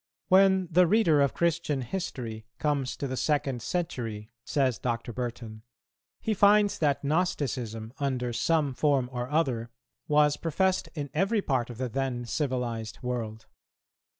"When [the reader of Christian history] comes to the second century," says Dr. Burton, "he finds that Gnosticism, under some form or other, was professed in every part of the then civilized world.